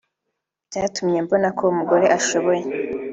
byatumye mbona ko umugore ashoboye